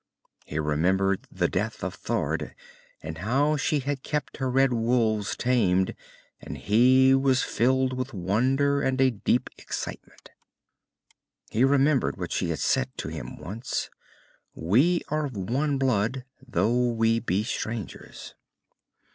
He remembered the death of Thord, and how she had kept her red wolves tamed, and he was filled with wonder, and a deep excitement. He remembered what she had said to him once _We are of one blood, though we be strangers.